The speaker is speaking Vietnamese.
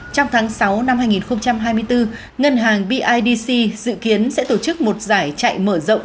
trong tháng sáu năm hai nghìn hai mươi bốn ngân hàng bidc dự kiến sẽ tổ chức một giải chạy mở rộng